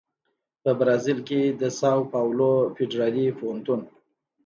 په برازیل کې د ساو پاولو فدرالي پوهنتون